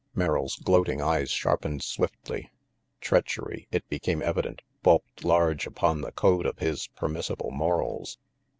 Merrill's gloating eyes sharpened swiftly. Treach ery, it became evident, bulked large upon the code of his permissible morals.